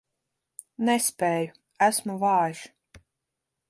Nespēju, esmu vājš.